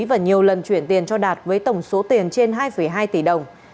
và nhiều lần chuyển tiền cho đạt với tổng số tiền trên hai hai tỷ đồng